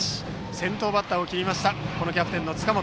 先頭バッターを切りましたキャプテンの塚本。